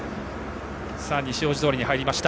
西大路通に入りました。